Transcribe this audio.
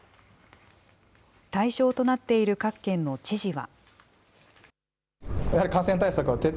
対象となっている各県の知事は。